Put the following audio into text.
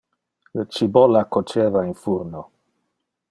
Le cibolla coceva in furno.